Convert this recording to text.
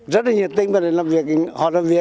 đạt hai mươi trên hai mươi tiêu chí